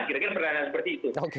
kira kira pertanyaan seperti itu